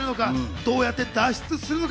どうやって脱出するのか？